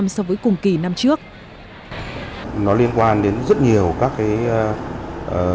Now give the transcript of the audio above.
so với cùng kỳ năm trước nó liên quan đến rất nhiều các cái gọi là sự cố gắng của các cái doanh